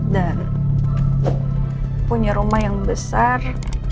dan punya rumah yang besar